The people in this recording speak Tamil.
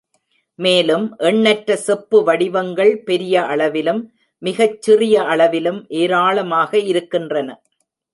மேலும் எண்ணற்ற செப்பு வடிவங்கள் பெரிய அளவிலும் மிகச் சிறிய அளவிலும் ஏராளமாக இருக்கின்றன.